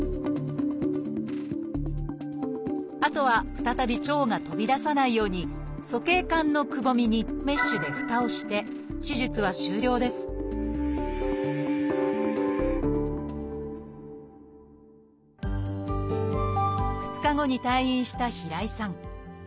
あとは再び腸が飛び出さないように鼠径管のくぼみにメッシュでふたをして手術は終了です２日後に退院した平井さん。